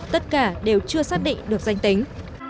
tất cả đều chưa xác định được danh tính